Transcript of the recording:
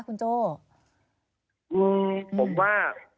ผมว่า